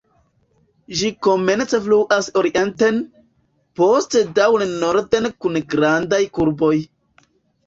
Ĝi komence fluas orienten, poste daŭre norden kun grandaj kurboj.